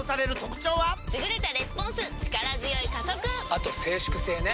あと静粛性ね。